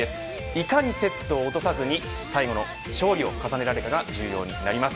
いかにセットを落とさずに最後の勝利を重ねられるかが重要です。